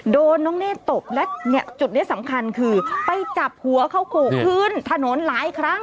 โดนน้องเนธตบและจุดนี้สำคัญคือไปจับหัวเขาโขกพื้นถนนหลายครั้ง